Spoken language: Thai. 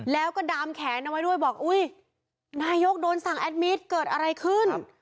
แล้วก็ดามแขนเอาไว้ด้วยบอกอุ้ยนายกโดนสั่งแอดมิตรเกิดอะไรขึ้น